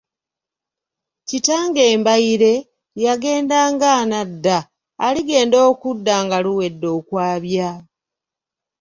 Kitange Mbaire, yagenda ng’anadda, aligenda okudda nga luwedde okwabya.